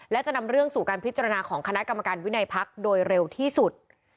และจะนำเรื่องสู่การพิจารณาของคณะกรรมการวินัยพักโดยเร็วที่สุด